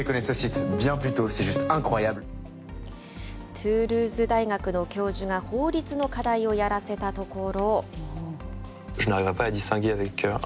トゥールーズ大学の教授が法律の課題をやらせたところ。